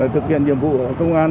thực hiện nhiệm vụ ở công an